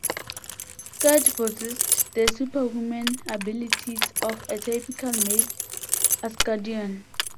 Skurge possessed the superhuman abilities of a typical male Asgardian.